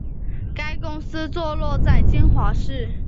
该公司坐落在金华市。